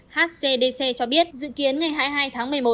hcdc cho biết dự kiến ngày hai mươi hai tháng một mươi một